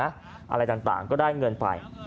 อะไรต่างก็ได้เงินไป